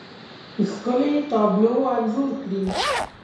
ښکلې، تابلو انځور کړي